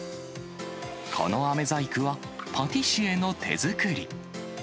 このあめ細工は、パティシエの手作り。